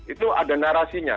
itu ada narasinya